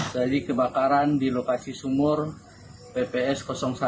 jadi kebakaran di lokasi sumur pps satu